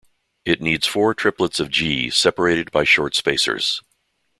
It needs four triplets of G, separated by short spacers.